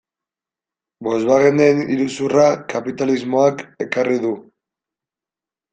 Volkswagenen iruzurra kapitalismoak ekarri du.